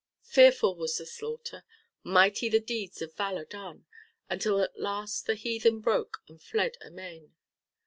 Fearful was the slaughter, mighty the deeds of valor done, until at last the heathen broke and fled amain.